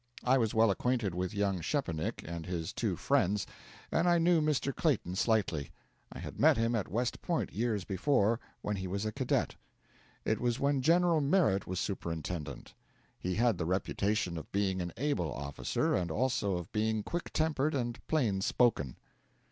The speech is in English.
I was well acquainted with young Szczepanik and his two friends, and I knew Mr. Clayton slightly. I had met him at West Point years before, when he was a cadet. It was when General Merritt was superintendent. He had the reputation of being an able officer, and also of being quick tempered and plain spoken.